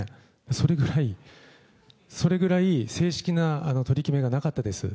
それぐらい、それぐらい、正式な取り決めがなかったです。